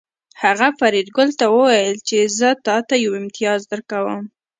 هغه فریدګل ته وویل چې زه تاته یو امتیاز درکوم